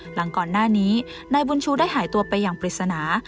หลังก่อนหน้านี้นายบุญชูได้หายตัวไปอย่างปริศนา